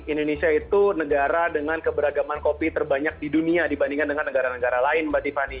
indonesia itu negara dengan keberagaman kopi terbanyak di dunia dibandingkan dengan negara negara lain mbak tiffany